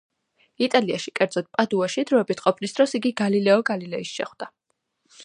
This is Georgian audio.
იტალიაში, კერძოდ, პადუაში დროებით ყოფნის დროს, იგი გალილეო გალილეის შეხვდა.